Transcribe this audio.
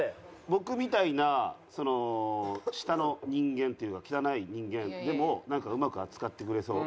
僕みたいな下の人間っていうか汚い人間でもなんかうまく扱ってくれそう。